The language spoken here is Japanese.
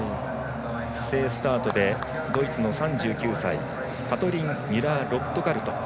不正スタートでドイツの３９歳カトリン・ミュラーロットガルト。